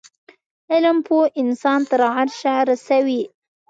علم پوه انسان تر عرشه رسوی